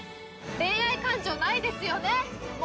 恋愛感情ないですよね？